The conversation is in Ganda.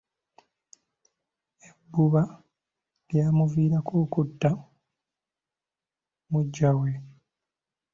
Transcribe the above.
Ebbuba lyamuviirako kutta muggya we.